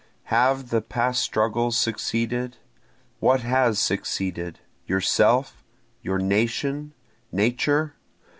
Have the past struggles succeeded? What has succeeded? yourself? your nation? Nature?